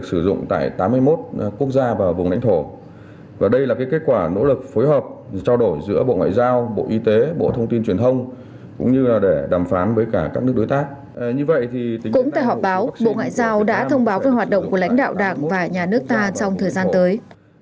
cũng vậy cũng tại họp báo bộ ngoại giao đã thông báo về hoạt động của lãnh đạo đảng và nhà nước ta trong thời gian tới